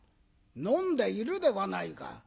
「飲んでいるではないか。